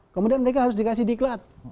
kemudian mereka harus dikasih diklat